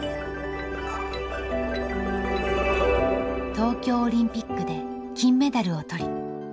東京オリンピックで金メダルを取り